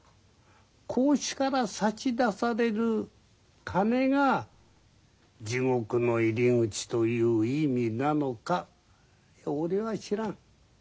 格子から差し出される金が地獄の入り口という意味なのか俺は知らん。